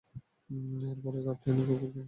এর পরে, কার্তিকেয়ানের কুকুরঃ রকি।